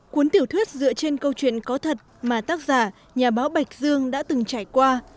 cuốn tiểu thuyết dựa trên câu chuyện có thật mà tác giả nhà báo bạch dương đã từng trải qua